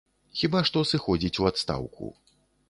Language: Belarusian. Хіба што сыходзіць у адстаўку.